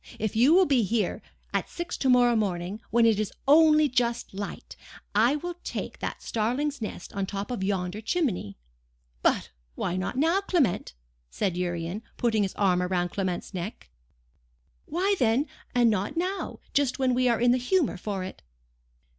If you will be here at six to morrow morning, when it is only just light, I will take that starling's nest on the top of yonder chimney.' 'But why not now, Clement?' said Urian, putting his arm round Clement's neck. 'Why then, and not now, just when we are in the humour for it?